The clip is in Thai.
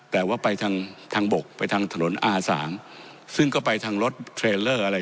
แต่ว่าไปทางทางบกไปทางถนนอาสางซึ่งก็ไปทางรถเทรลเลอร์อะไร